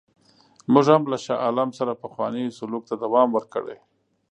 موږ هم له شاه عالم سره پخوانی سلوک ته دوام ورکړی.